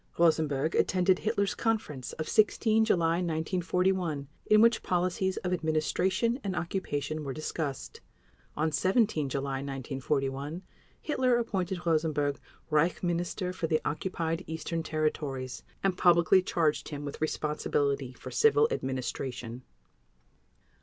Rosenberg attended Hitler's conference of 16 July 1941, in which policies of administration and occupation were discussed. On 17 July 1941 Hitler appointed Rosenberg Reich Minister for the Occupied Eastern Territories, and publicly charged him with responsibility for civil administration.